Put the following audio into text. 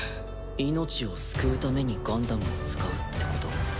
命を救うためにガンダムを使うってこと？